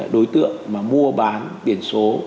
đối tượng mà mua bán biển số